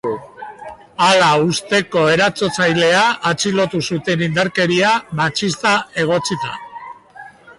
Hala, ustezko erasotzailea atxilotu zuten indarkeria matxista egotzita.